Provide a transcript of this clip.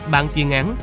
bàn chuyên án